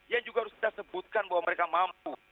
yang juga harus kita sebutkan bahwa mereka mampu